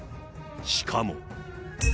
しかも。